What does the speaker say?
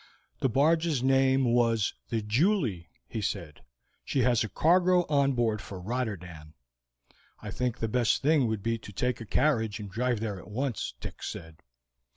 "The barge's name was the Julie," he said; "she has a cargo on board for Rotterdam." "I think the best thing would be to take a carriage, and drive there at once," Dick said.